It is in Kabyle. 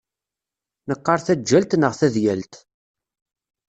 Neqqar taǧǧalt neɣ tadyalt.